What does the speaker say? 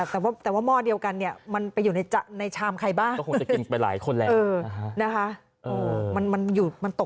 แต่ว่าแต่ว่าหม้อเดียวกันเนี่ยมันไปอยู่ในใจในชามใครบ้างกินไปหลายคนแล้วนะคะมันอยู่มันตก